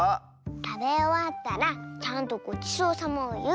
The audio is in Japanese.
たべおわったらちゃんとごちそうさまをいう。